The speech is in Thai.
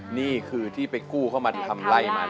นี่คือที่ไปกู้เข้ามาทำไล่มัน